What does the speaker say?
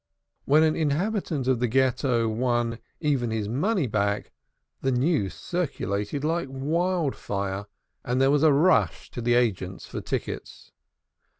When an inhabitant of the Ghetto won even his money back, the news circulated like wild fire, and there was a rush to the agents for tickets.